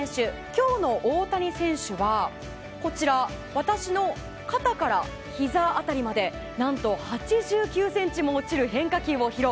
今日の大谷選手は私の肩からひざ辺りまで何と８９ｃｍも落ちる変化球を披露。